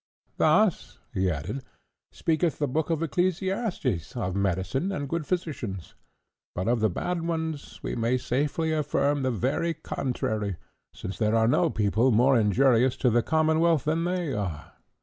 Thus," he added, "speaketh the Book of Ecclesiasticus, of Medicine, and good Physicians; but of the bad ones we may safely affirm the very contrary, since there are no people more injurious to the commonwealth than they are.